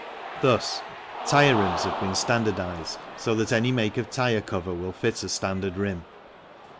Thus, tyre rims have been standardized so that any make of tyre cover will fit a standard rim.